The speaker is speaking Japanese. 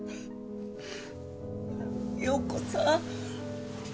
陽子さん。